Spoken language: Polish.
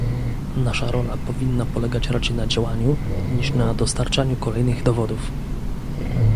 Nasza rola powinna polegać raczej na działaniu, niż na dostarczaniu kolejnych dowodów